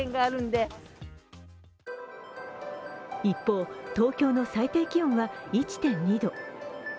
一方、東京の最低気温は１．２度。